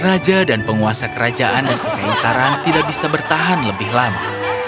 raja dan penguasa kerajaan yang mengenai sarang tidak bisa bertahan lebih lama